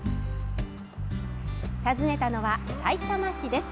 訪ねたのはさいたま市です。